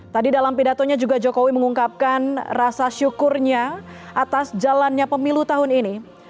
tadi dalam pidatonya juga jokowi mengungkapkan rasa syukurnya atas jalannya pemilu tahun ini